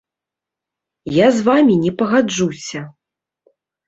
Я з вамі не пагаджуся.